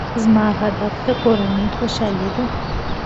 زما هدف د کورنۍ خوشحالي ده.